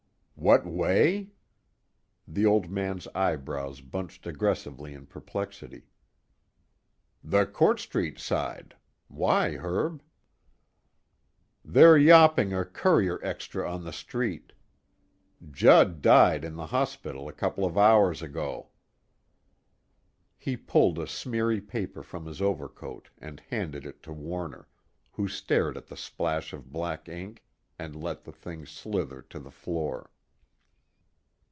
"What way?" The Old Man's eyebrows bunched aggressively in perplexity. "The Court Street side. Why, Herb?" "They're yawping a Courier extra on the street. Judd died in the hospital a couple of hours ago." He pulled a smeary paper from his overcoat and handed it to Warner, who stared at the splash of black ink and let the thing slither to the floor.